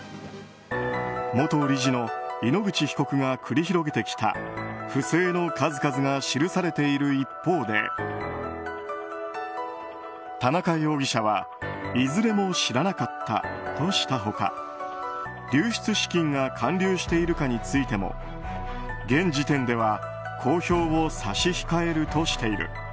元理事の井ノ口被告が繰り広げてきた不正の数々が記されている一方で田中容疑者はいずれも知らなかったとした他流出資金が還流しているかについても現時点では公表を差し控えるとしている。